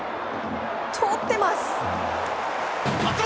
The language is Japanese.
とってます！